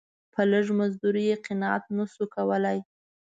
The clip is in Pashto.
په لږ مزدوري یې قناعت نه سو کولای.